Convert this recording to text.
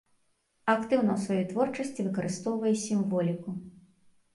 Актыўна ў сваёй творчасці выкарыстоўвае сімволіку.